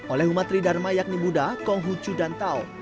oleh umat ridharma yakni muda konghucu dan tao